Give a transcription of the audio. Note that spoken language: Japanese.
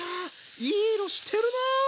いい色してるな！